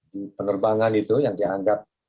di penerbangan itu yang dianggap